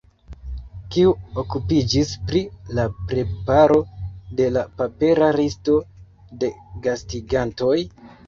Kiu okupiĝis pri la preparo de la papera listo de gastigantoj?